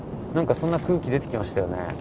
なんかそんな空気出てきましたよね。